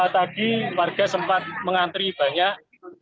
tadi warga sempat mengantri banyak